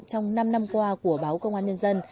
trong năm năm qua của báo công an nhân dân